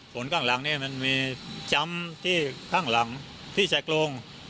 ส่วนข้างหลังเนี่ยมันมีจำที่ข้างหลังที่แจกลง